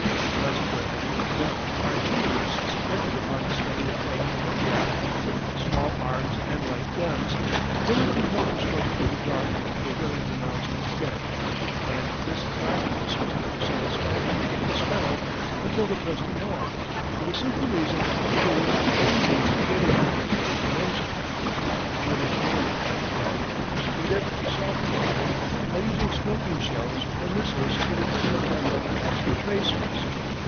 Consequently when artillerists entered upon the study of fighting air craft with small arms and light guns, they were compelled to struggle in the dark to a very pronounced extent, and this darkness was never satisfactorily dispelled until the present war, for the simple reason that there were no means of getting conclusive information. The German armament manufacturers endeavoured to solve the problem by using smoking shells or missiles fitted with what are known as tracers.